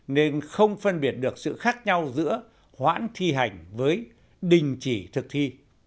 nên không phân biệt được sự khác nhau giữa hoãn thi hành với đình chỉ thực thi